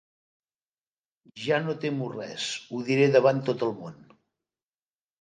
Ja no temo res, ho diré davant tot el món.